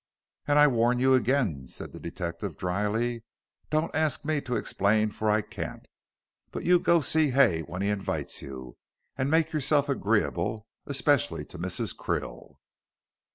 "And I warn you again," said the detective, dryly. "Don't ask me to explain, for I can't. But you go to see Hay when he invites you, and make yourself agreeable, especially to Mrs. Krill."